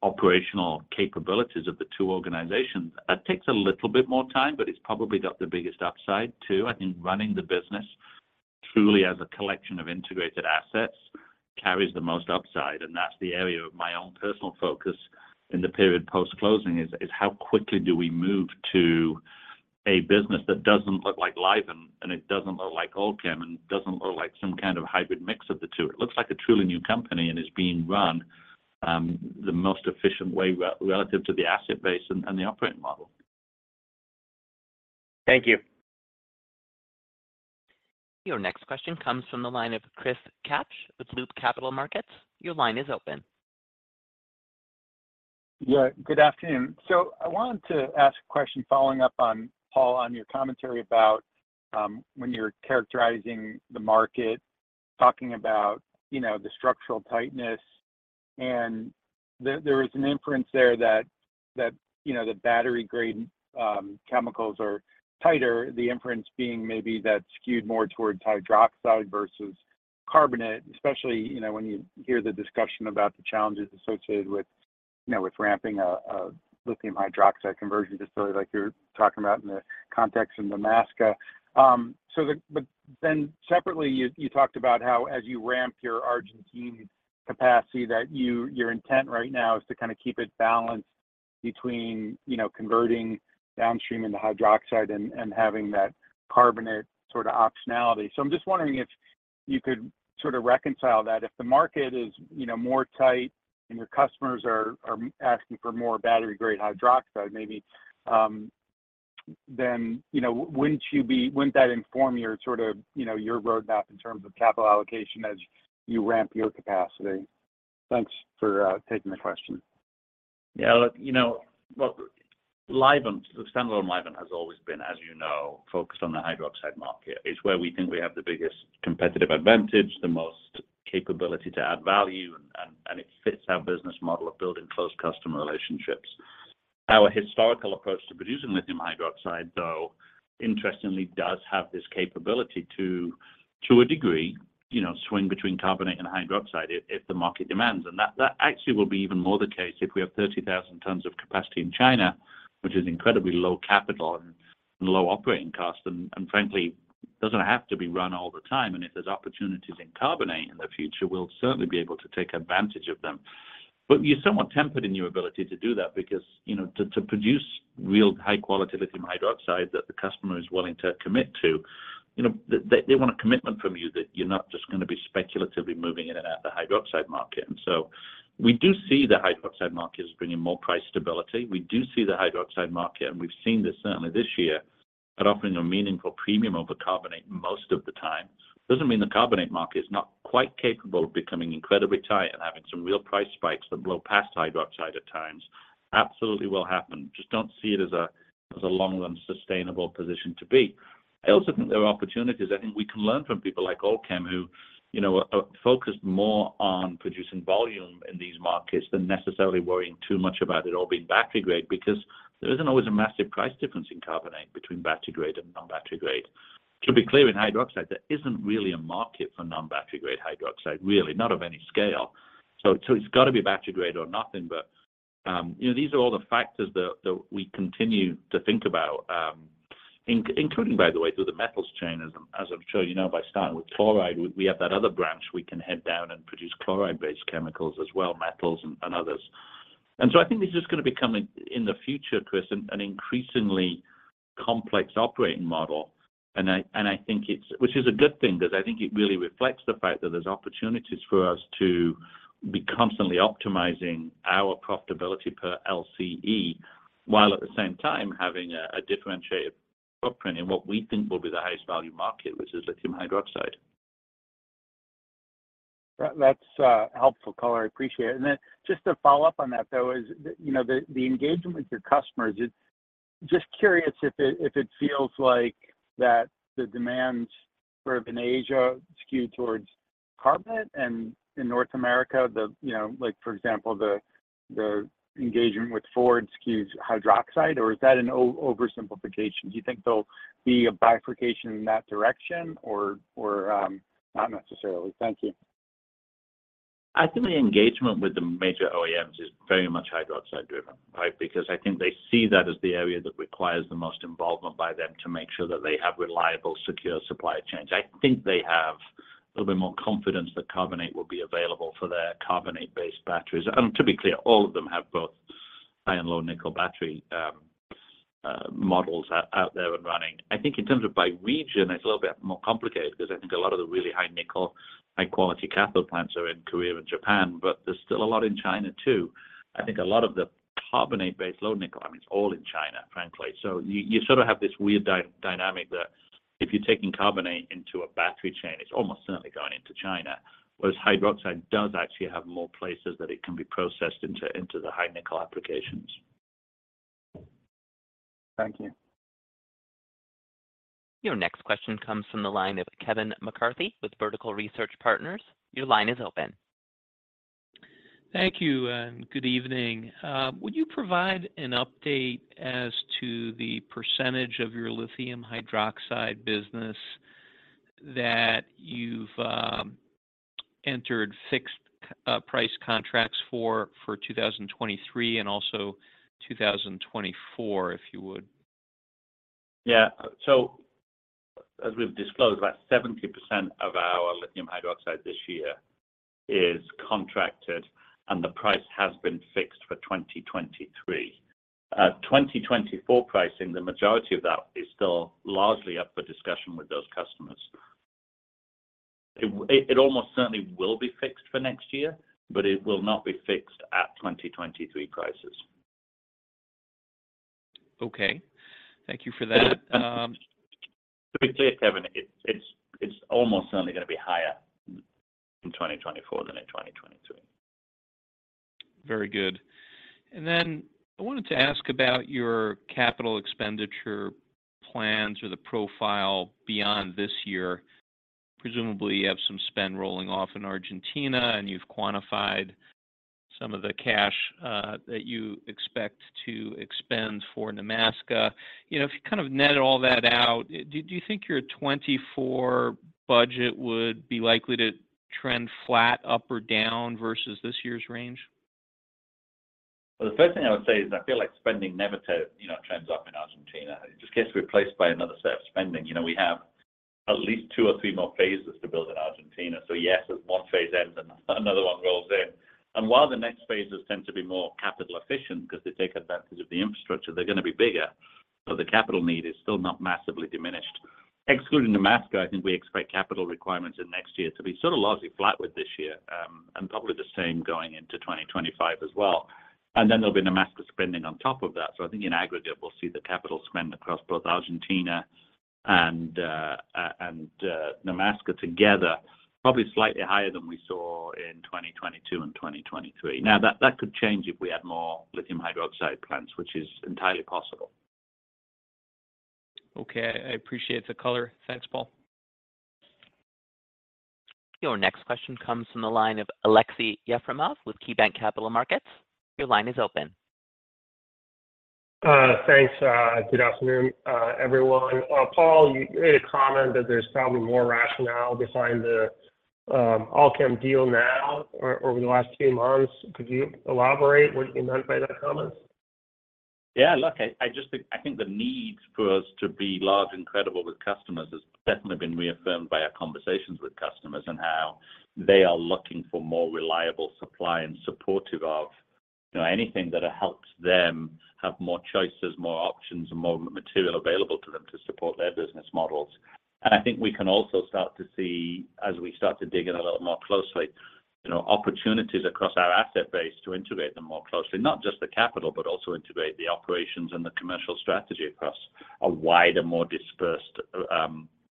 operational capabilities of the two organizations. That takes a little bit more time, but it's probably got the biggest upside, too. I think running the business truly as a collection of integrated assets carries the most upside, and that's the area of my own personal focus in the period post-closing is, is how quickly do we move to a business that doesn't look like Livent, and it doesn't look like Allkem, and doesn't look like some kind of hybrid mix of the two. It looks like a truly new company and is being run, the most efficient way relative to the asset base and, and the operating model. Thank you. Your next question comes from the line of Chris Kapsch with Loop Capital Markets. Your line is open. Yeah, good afternoon. I wanted to ask a question following up on, Paul, on your commentary about, when you're characterizing the market, talking about, you know, the structural tightness. There, there was an inference there that, that, you know, the battery-grade, chemicals are tighter, the inference being maybe that's skewed more towards hydroxide versus carbonate, especially, you know, when you hear the discussion about the challenges associated with, you know, with ramping a, a lithium hydroxide conversion facility like you're talking about in the context of Nemaska Lithium. Then separately, you, you talked about how as you ramp your Argentine capacity, your intent right now is to kind of keep it balanced between, you know, converting downstream in the hydroxide and, and having that carbonate sort of optionality. I'm just wondering if you could sort of reconcile that? If the market is, you know, more tight and your customers are, are asking for more battery-grade hydroxide, maybe, then, you know, wouldn't that inform your sort of, you know, your roadmap in terms of capital allocation as you ramp your capacity? Thanks for taking the question. Yeah, look, you know, well, Livent, the standalone Livent has always been, as you know, focused on the hydroxide market. It's where we think we have the biggest competitive advantage, the most capability to add value, and, and, and it fits our business model of building close customer relationships. Our historical approach to producing lithium hydroxide, though, interestingly, does have this capability to, to a degree, you know, swing between carbonate and hydroxide if, if the market demands. That, that actually will be even more the case if we have 30,000 tons of capacity in China, which is incredibly low capital and, and low operating costs, and, and frankly, doesn't have to be run all the time. If there's opportunities in carbonate in the future, we'll certainly be able to take advantage of them. You're somewhat tempered in your ability to do that because, you know, to, to produce real high-quality lithium hydroxide that the customer is willing to commit to, you know, they, they want a commitment from you that you're not just gonna be speculatively moving in and out the hydroxide market. So we do see the hydroxide market as bringing more price stability. We do see the hydroxide market, and we've seen this certainly this year, at offering a meaningful premium over carbonate most of the time. Doesn't mean the carbonate market is not quite capable of becoming incredibly tight and having some real price spikes that blow past hydroxide at times. Absolutely will happen. Just don't see it as a, as a long-run sustainable position to be. I also think there are opportunities. I think we can learn from people like Allkem, who, you know, are focused more on producing volume in these markets than necessarily worrying too much about it all being battery grade, because there isn't always a massive price difference in carbonate between battery grade and non-battery grade. To be clear, in hydroxide, there isn't really a market for non-battery-grade hydroxide, really, not of any scale. So it's got to be battery grade or nothing, but, you know, these are all the factors that, that we continue to think about. Including, by the way, through the metals chain, as I'm, as I'm sure you know, by starting with chloride, we have that other branch we can head down and produce chloride-based chemicals as well, metals and, and others. I think this is just gonna be coming in the future, Chris, an increasingly complex operating model. Which is a good thing, because I think it really reflects the fact that there's opportunities for us to be constantly optimizing our profitability per LCE, while at the same time having a differentiated footprint in what we think will be the highest value market, which is lithium hydroxide. Right. That's helpful, color, I appreciate it. Just to follow up on that, though, is, you know, the, the engagement with your customers, it's. Just curious if it, if it feels like that the demands sort of in Asia skew towards carbonate, and in North America, the, you know, like, for example, the, the engagement with Ford skews hydroxide, or is that an oversimplification? Do you think there'll be a bifurcation in that direction or, or, not necessarily? Thank you. I think the engagement with the major OEMs is very much hydroxide driven, right? Because I think they see that as the area that requires the most involvement by them to make sure that they have reliable, secure supply chains. I think they have a little bit more confidence that carbonate will be available for their carbonate-based batteries. To be clear, all of them have both high and low nickel battery models out, out there and running. I think in terms of by region, it's a little bit more complicated because I think a lot of the really high nickel, high-quality cathode plants are in Korea and Japan, but there's still a lot in China, too. I think a lot of the carbonate-based low nickel, I mean, it's all in China, frankly. You, you sort of have this weird dynamic that if you're taking carbonate into a battery chain, it's almost certainly going into China, whereas hydroxide does actually have more places that it can be processed into, into the high nickel applications. Thank you. Your next question comes from the line of Kevin McCarthy with Vertical Research Partners. Your line is open. Thank you. Good evening. Would you provide an update as to the % of your lithium hydroxide business that you've entered fixed price contracts for, for 2023 and also 2024, if you would? As we've disclosed, about 70% of our lithium hydroxide this year is contracted, and the price has been fixed for 2023. 2024 pricing, the majority of that is still largely up for discussion with those customers. It, it almost certainly will be fixed for next year, but it will not be fixed at 2023 prices. Okay. Thank you for that. To be clear, Kevin, it's, it's, it's almost certainly gonna be higher in 2024 than in 2023. Very good. Then I wanted to ask about your capital expenditure plans or the profile beyond this year. Presumably, you have some spend rolling off in Argentina, and you've quantified some of the cash that you expect to expend for Nemaska. You know, if you kind of net all that out, do you think your 2024 budget would be likely to trend flat, up, or down versus this year's range? Well, the first thing I would say is I feel like spending never to, you know, trends up in Argentina. It just gets replaced by another set of spending. You know, we have at least two or three more phases to build in Argentina. Yes, as one phase ends, another one rolls in. While the next phases tend to be more capital efficient because they take advantage of the infrastructure, they're gonna be bigger, so the capital need is still not massively diminished. excluding Nemaska, I think we expect capital requirements in next year to be sort of largely flat with this year, probably the same going into 2025 as well. Then there'll be Nemaska spending on top of that. I think in aggregate, we'll see the capital spend across both Argentina and Nemaska together, probably slightly higher than we saw in 2022 and 2023. Now, that, that could change if we had more lithium hydroxide plants, which is entirely possible. Okay. I appreciate the color. Thanks, Paul. Your next question comes from the line of Aleksey Yefremov with KeyBanc Capital Markets. Your line is open. Thanks. Good afternoon, everyone. Paul, you made a comment that there's probably more rationale behind the Allkem deal now or over the last few months. Could you elaborate what you meant by that comment? Yeah, look, I think the need for us to be large and credible with customers has definitely been reaffirmed by our conversations with customers, how they are looking for more reliable supply and supportive of, you know, anything that helps them have more choices, more options, and more material available to them to support their business models. I think we can also start to see, as we start to dig in a little more closely, you know, opportunities across our asset base to integrate them more closely. Not just the capital, but also integrate the operations and the commercial strategy across a wider, more dispersed,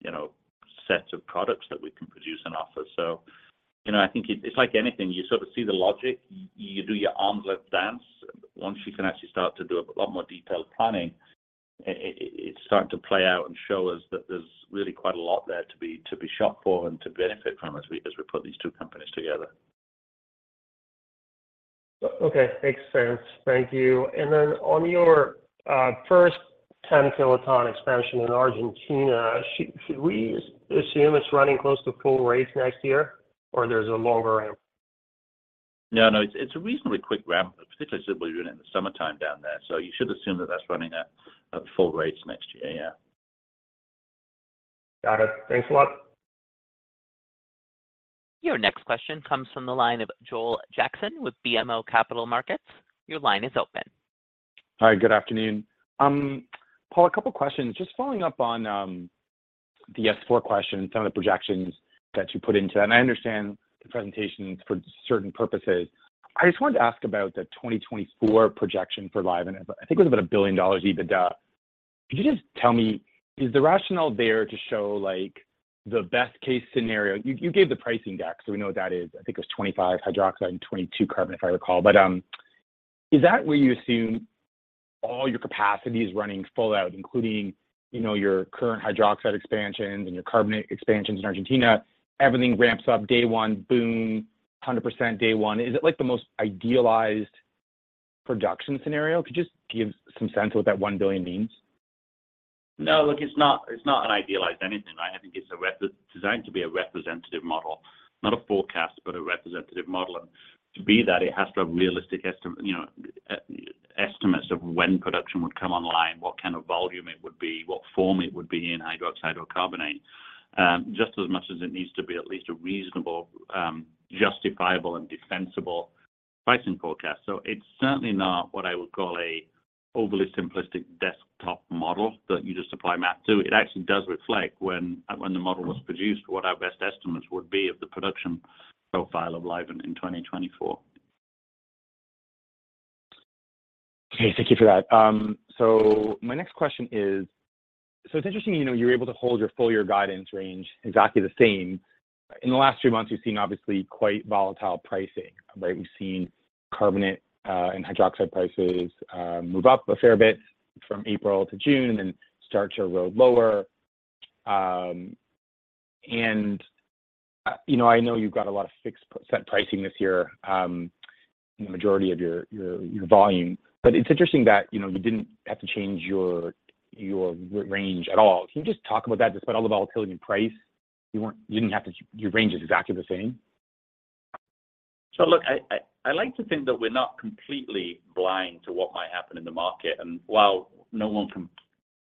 you know, set of products that we can produce and offer. You know, I think it, it's like anything, you sort of see the logic. You do your arms-length dance. Once you can actually start to do a lot more detailed planning, it's starting to play out and show us that there's really quite a lot there to be shot for and to benefit from as we put these two companies together. Okay, makes sense. Thank you. On your first 10 kiloton expansion in Argentina, should we assume it's running close to full rates next year, or there's a longer ramp? No, no, it's a reasonably quick ramp, particularly since we're in the summertime down there, so you should assume that that's running at, at full rates next year. Yeah. Got it. Thanks a lot. Your next question comes from the line of Joel Jackson with BMO Capital Markets. Your line is open. Hi, good afternoon. Paul, a couple questions. Just following up on the S-4 question and some of the projections that you put into that. I understand the presentation is for certain purposes. I just wanted to ask about the 2024 projection for Livent. I think it was about $1 billion EBITDA. Could you just tell me, is the rationale there to show, like, the best case scenario? You, you gave the pricing deck, so we know what that is. I think it was 25 hydroxide and 22 carbonate, if I recall. Is that where you assume all your capacity is running full out, including, you know, your current hydroxide expansions and your carbonate expansions in Argentina? Everything ramps up day one, boom, 100% day one. Is it, like, the most idealized production scenario? Could you just give some sense what that $1 billion means? No, look, it's not, it's not an idealized anything, right? I think it's designed to be a representative model. Not a forecast, but a representative model. To be that, it has to have realistic estimate, you know, estimates of when production would come online, what kind of volume it would be, what form it would be in, hydroxide or carbonate, just as much as it needs to be at least a reasonable, justifiable and defensible pricing forecast. It's certainly not what I would call a overly simplistic desktop model that you just apply math to. It actually does reflect, when, when the model was produced, what our best estimates would be of the production profile of Livent in 2024. Okay. Thank you for that. My next question is, it's interesting, you know, you're able to hold your full year guidance range exactly the same. In the last few months, we've seen obviously quite volatile pricing, right? We've seen carbonate and hydroxide prices move up a fair bit from April to June, and then start to erode lower. And, you know, I know you've got a lot of fixed set pricing this year, the majority of your, your, your volume, it's interesting that, you know, you didn't have to change your, your range at all. Can you just talk about that? Despite all the volatility in price, you weren't you didn't have to. Your range is exactly the same? Look, I like to think that we're not completely blind to what might happen in the market. While no one can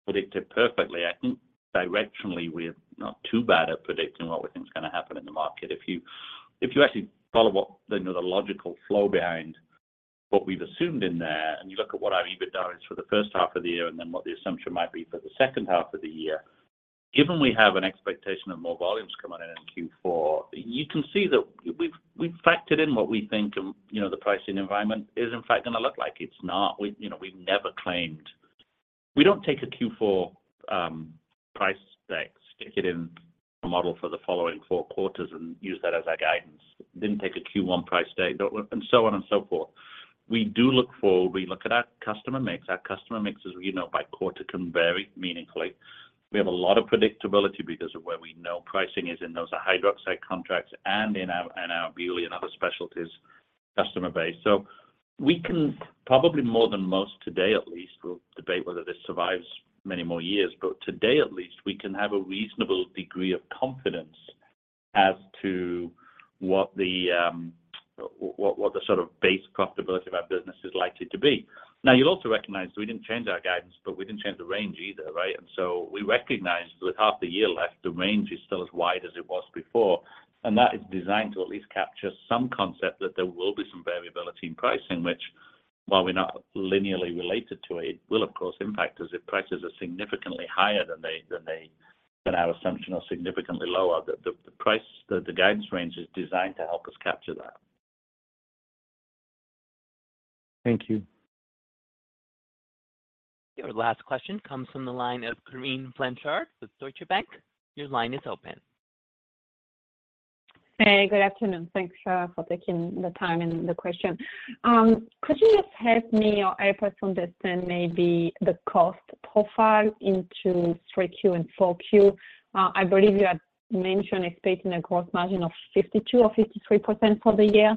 predict it perfectly, I think directionally, we're not too bad at predicting what we think is gonna happen in the market. If you actually follow what, you know, the logical flow behind what we've assumed in there, and you look at what our EBITDA is for the first half of the year, and then what the assumption might be for the second half of the year, given we have an expectation of more volumes coming in in Q4, you can see that we've, we've factored in what we think and, you know, the pricing environment is in fact gonna look like. It's not. We, you know, we've never claimed. We don't take a Q4 price deck, stick it in a model for the following four quarters and use that as our guidance. We didn't take a Q1 price date, and so on and so forth. We do look forward. We look at our customer mix. Our customer mix, as you know, by quarter, can vary meaningfully. We have a lot of predictability because of where we know pricing is in those hydroxide contracts and in our, in our beauty and other specialties customer base. So we can, probably more than most today at least, we'll debate whether this survives many more years, but today at least, we can have a reasonable degree of confidence as to what the sort of base profitability of our business is likely to be. You'll also recognize we didn't change our guidance, but we didn't change the range either, right? We recognize with half the year left, the range is still as wide as it was before, and that is designed to at least capture some concept that there will be some variability in pricing. While we're not linearly related to it, it will of course impact us if prices are significantly higher than our assumption, or significantly lower. The price, the guidance range is designed to help us capture that. Thank you. Your last question comes from the line of Corinne Blanchard with Deutsche Bank. Your line is open. Hey, good afternoon. Thanks for taking the time and the question. Could you just help me or help us understand maybe the cost profile into 3Q and 4Q? I believe you had mentioned expecting a gross margin of 52% or 53% for the year.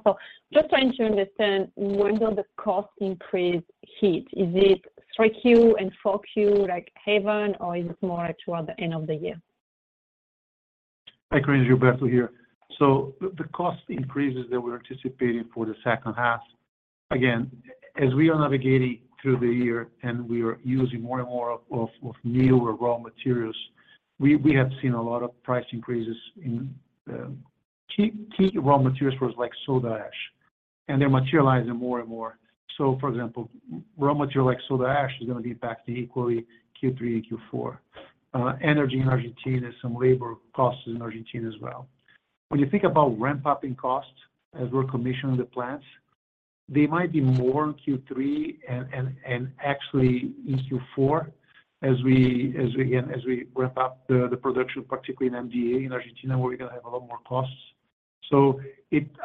Just trying to understand, when will the cost increase hit? Is it 3Q and 4Q, like, even, or is it more toward the end of the year? Hi, Corinne, Gilberto here. The, the cost increases that we're anticipating for the second half, again, as we are navigating through the year and we are using more and more of, of, of new or raw materials, we, we have seen a lot of price increases in key, key raw materials for like soda ash, and they're materializing more and more. For example, raw material like soda ash is gonna impact equally Q3 and Q4. Energy in Argentina and some labor costs in Argentina as well. When you think about ramp-upping costs as we're commissioning the plants, they might be more in Q3 and, and, and actually in Q4 as we, as we again, as we ramp up the, the production, particularly in MVA, in Argentina, where we're gonna have a lot more costs.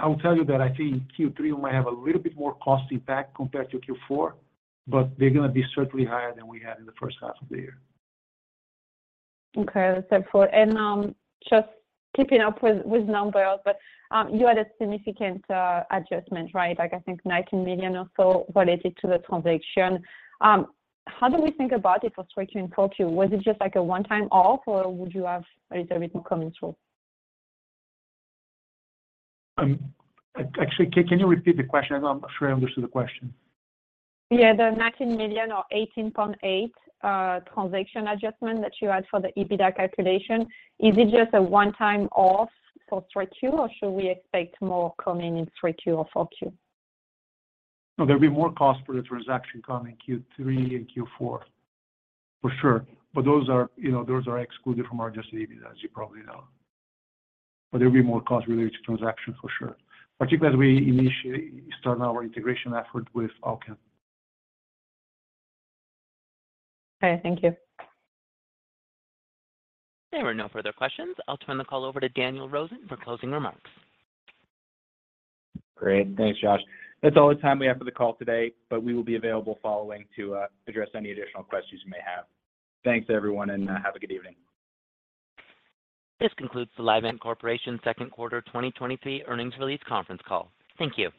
I'll tell you that I think Q3 might have a little bit more cost impact compared to Q4, but they're gonna be certainly higher than we had in the first half of the year. Okay, that's helpful. Just keeping up with, with numbers, but you had a significant adjustment, right? Like, I think $19 million or so related to the transaction. How do we think about it for 3Q and 4Q? Was it just like a one-time off, or would you have a little bit more coming through? Actually, can you repeat the question? I'm not sure I understood the question. Yeah. The $19 million or 18.8 transaction adjustment that you had for the EBITDA calculation, is it just a one-time off for 3Q, or should we expect more coming in 3Q or 4Q? There'll be more costs for the transaction coming in Q3 and Q4, for sure. Those are, you know, those are excluded from our adjusted EBITDA, as you probably know. There will be more costs related to transaction for sure, particularly as we initiate, start our integration effort with Allkem. Okay, thank you. There are no further questions. I'll turn the call over to Daniel Rosen for closing remarks. Great. Thanks, Josh. That's all the time we have for the call today, but we will be available following to address any additional questions you may have. Thanks, everyone, and have a good evening. This concludes the Livent Corporation second quarter 2023 earnings release conference call. Thank you.